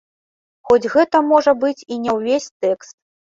Хоць гэта можа быць і не ўвесь тэкст.